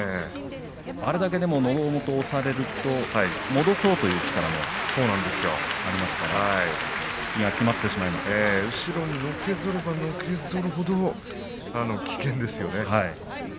あれだけのど元を押されると戻そうという力も後ろにのけぞればのけぞるほど危険ですよね。